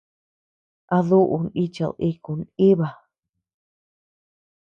¿A duʼu nichid iku nʼiba?